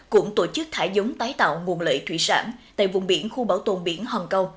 cũng tổ chức thả giống tái tạo nguồn lợi thủy sản tại vùng biển khu bảo tồn biển hòn câu